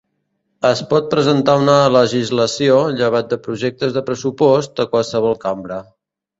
Es pot presentar una legislació, llevat de projectes de pressupost, a qualsevol Cambra.